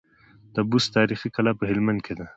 د بست تاريخي کلا په هلمند کي ده